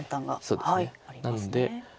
そうですねなので。